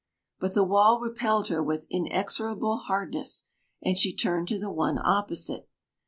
But the wall repelled her with inexorable hardness, and she turned to the one opposite.